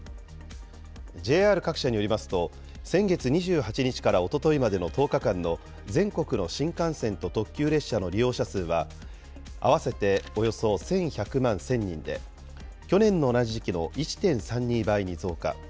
ＪＲ各社によりますと、先月２８日からおとといまでの１０日間の全国の新幹線と特急列車の利用者数は、合わせておよそ１１００万１０００人で、去年の同じ時期の１．３２倍に増加。